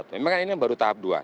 memang kan ini baru tahap dua